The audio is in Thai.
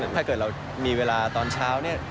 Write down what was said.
ถ้าเกิดเรามีเวลาตอนเช้าเนี่ย